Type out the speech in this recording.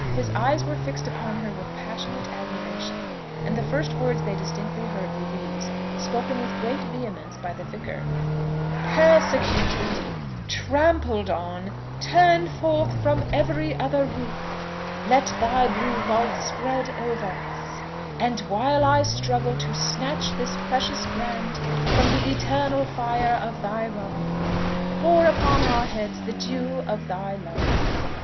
His eyes were fixed upon her with passionate admiration, and the first words they distinctly heard were these, spoken with great vehemence by the vicar: "Persecuted trampled on turned forth from every other roof, let thy blue vault spread over us, and while I struggle to snatch this precious brand from the eternal fire of thy wrath, pour upon our heads the dew of thy love!